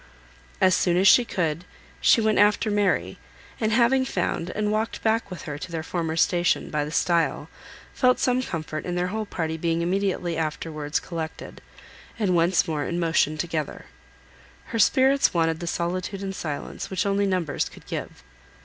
As soon as she could, she went after Mary, and having found, and walked back with her to their former station, by the stile, felt some comfort in their whole party being immediately afterwards collected, and once more in motion together. Her spirits wanted the solitude and silence which only numbers could give.